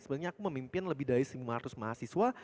sebenarnya memimpin lebih dari lima ratus mahasiswa